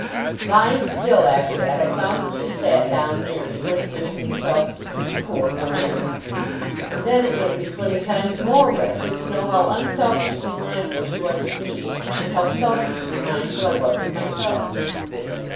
Lying still, after that, I found that she sat down near me, whispering to herself 'Poor boy!' And then it made me twenty times more wretched, to know how unselfishly mindful she was of me, and how selfishly mindful I was of myself.